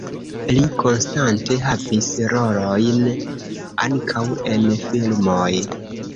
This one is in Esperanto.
Li konstante havis rolojn ankaŭ en filmoj.